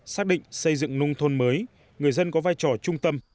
xác định xây dựng nông thôn mới người dân có vai trò trung tâm